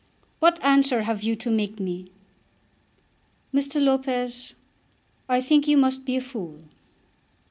"What answer have you to make me?" "Mr. Lopez, I think you must be a fool."